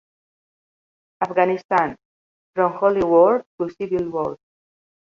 "Afghanistan: from holy war to civil war".